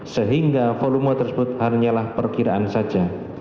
sehingga volume tersebut hanyalah perkiraan saja